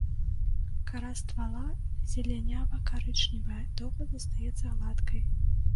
Кара ствала зелянява-карычневая, доўга застаецца гладкай.